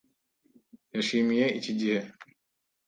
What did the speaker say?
Yashimiye iki gihe.